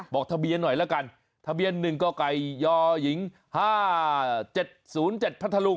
บอกทะเบียนหน่อยละกันทะเบียน๑กไก่ยหญิง๕๗๐๗พัทธรุง